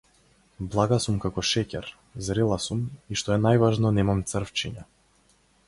Блага сум како шеќер, зрела сум и што е најважно немам црвчиња.